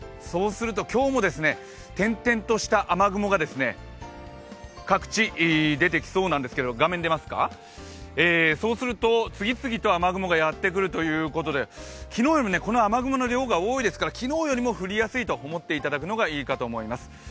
今日も点々とした雨雲が各地出てきそうなんですけれどもそうすると次々と雨雲がやってくるということで、昨日よりもこの雨雲の量が多いですから昨日よりも降りやすいと思っていただくのがいいと思います。